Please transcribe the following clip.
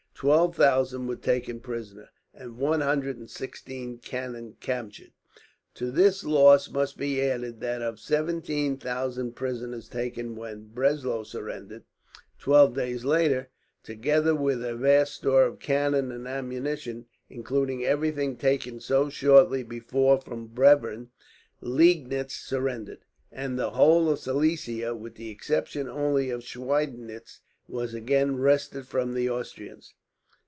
Twelve thousand were taken prisoners, and one hundred and sixteen cannon captured. To this loss must be added that of seventeen thousand prisoners taken when Breslau surrendered, twelve days later, together with a vast store of cannon and ammunition, including everything taken so shortly before from Bevern. Liegnitz surrendered, and the whole of Silesia, with the exception only of Schweidnitz, was again wrested from the Austrians.